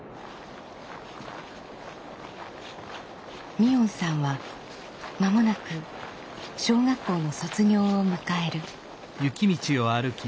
海音さんは間もなく小学校の卒業を迎える。